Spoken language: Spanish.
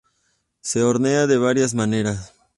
Se hornea de varias maneras.